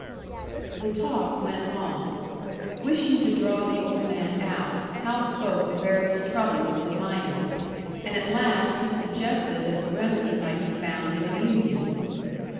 The talk went on. Wishing to draw the old man out, Hal spoke of various troubles of the miners, and at last he suggested that the remedy might be found in a union.